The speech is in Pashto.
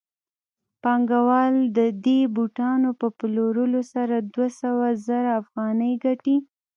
پانګوال د دې بوټانو په پلورلو سره دوه سوه زره افغانۍ ګټي